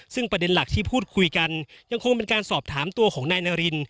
ซึ่งประเด็นหลักที่พูดคุยกันยังคงเป็นการสอบถามตัวของนายนาริน